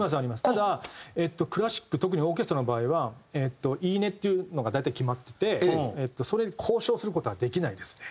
ただクラシック特にオーケストラの場合は言い値っていうのが大体決まっててそれに交渉する事はできないですね。